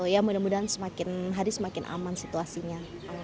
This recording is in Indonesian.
ya mudah mudahan semakin hari semakin aman situasinya